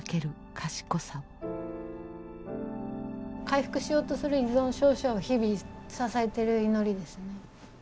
回復しようとする依存症者を日々支えてる祈りですね。